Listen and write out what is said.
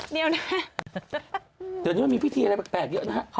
เดี๋ยวนี้ว่ามีพิธีอะไรแปลกเยอะนะคะ